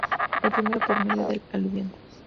El primero por medio del aluvión.